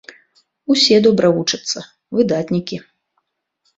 Усе добра вучацца, выдатнікі.